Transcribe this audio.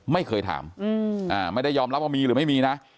ไม่เคยถามไม่ได้ยอมรับว่ามีหรือไม่มีนะ